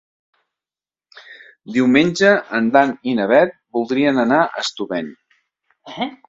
Diumenge en Dan i na Bet voldrien anar a Estubeny.